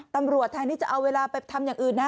ตำรวจแทงนี้จะเอาเวลาไปทำอย่างอื่นนะ